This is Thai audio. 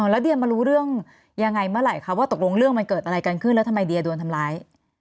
แล้วเดียมารู้เรื่องยังไงเมื่อไหร่คะว่าตกลงเรื่องมันเกิดอะไรกันขึ้นแล้วทำไมเดียโดนทำร้าย